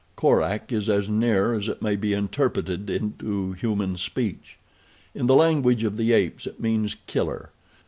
Korak is as near as it may be interpreted into human speech. In the language of the apes it means Killer.